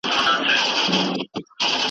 لکه نسیم د ګل پر پاڼوپانو ونڅېدم .